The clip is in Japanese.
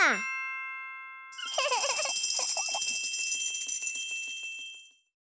フフフフフ。